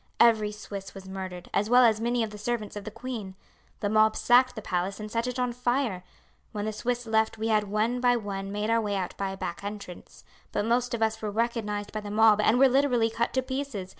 Every Swiss was murdered, as well as many of the servants of the queen. The mob sacked the palace and set it on fire. When the Swiss left we had one by one made our way out by a back entrance, but most of us were recognized by the mob and were literally cut to pieces.